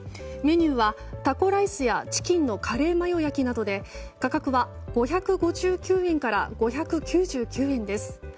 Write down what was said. メニューはタコライスやチキンのカレーマヨ焼きなどで価格は５５９円から５９９円です。